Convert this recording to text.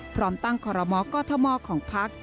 พร้อมตั้งขอรมอกล้อทะมอของพัก